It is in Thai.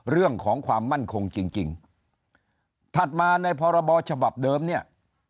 เรื่องของความมั่นคงจริงจริงถัดมาในพรบฉบับเดิมเนี่ย